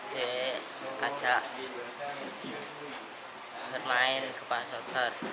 dek kaca bermain kopak sodor